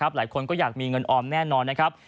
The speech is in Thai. หลายคนก็อยากมีเงินออมแน่นอนนะครับ